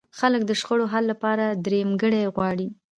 خلک د شخړو حل لپاره درېیمګړی غواړي.